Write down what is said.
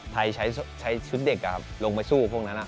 ไทยใช้ชุดเด็กลงไปสู้กับพวกนั้น